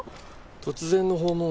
突然の訪問